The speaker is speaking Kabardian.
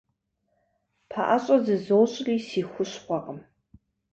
Пэӏэщӏэ зызощӏри – си хущхъуэкъым.